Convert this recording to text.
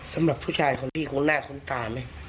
สำหรับผู้ชายของพี่คงแน่คุ้นตาไหม